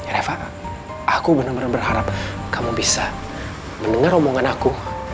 era aku benar benar berharap kamu bisa mendengar omongan aku